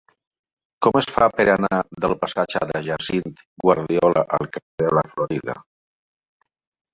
Com es fa per anar del passatge de Jacint Guardiola al carrer de la Florida?